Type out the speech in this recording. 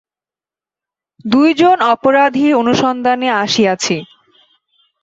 দুই জন অপরাধীর অনুসন্ধানে আসিয়াছি।